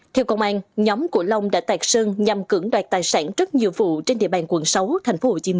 theo công an nhóm của long đã tạc sơn nhằm cưỡng đoạt tài sản rất nhiều vụ trên địa bàn quận sáu tp hcm